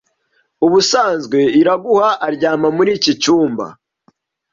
Ubusanzwe Iraguha aryama muri iki cyumba.